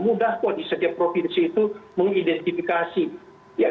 mudah buat di setiap provinsi itu mengidentifikasi